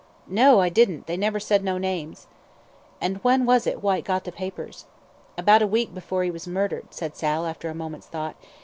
"No, I didn't; they never said no names." "And when was it Whyte got the papers?" "About a week before he was murdered," said Sal, after a moment's thought.